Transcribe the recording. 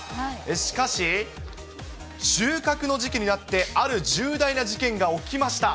しかし、収穫の時期になって、ある重大な事件が起きました。